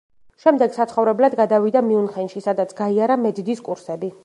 შემდეგ საცხოვრებლად გადავიდა მიუნხენში, სადაც გაიარა მედდის კურსები.